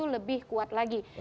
lebih kuat lagi